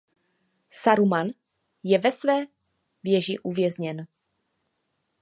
Saruman je ve své věži uvězněn.